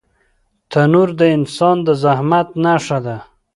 تنور د انسان د زحمت نښه ده